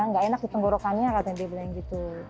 nggak enak di tenggorokannya katanya dia bilang gitu